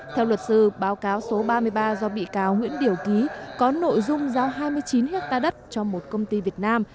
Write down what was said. theo luật sư báo cáo số ba mươi ba do bị cáo nguyễn điểu ký có nội dung giao hai mươi chín hectare đất cho một công ty việt nam